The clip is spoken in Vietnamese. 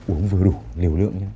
uống vừa đủ liều lượng nhá